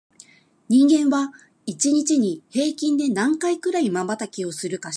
人間は、一日に平均で何回くらいまばたきをするか知ってる？